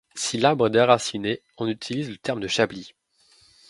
Si l'arbre est déraciné, on utilise le terme de chablis.